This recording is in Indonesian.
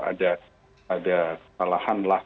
ada salahkan lah